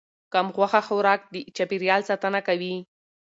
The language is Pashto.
کم غوښه خوراک د چاپیریال ساتنه کوي.